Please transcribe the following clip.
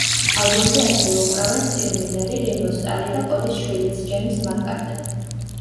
ალბომზე ასევე უკრავენ სტივ მილერი, რინგო სტარი და პოლის შვილიც, ჯეიმზ მაკ-კარტნი.